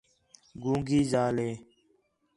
گونگی ذال ہے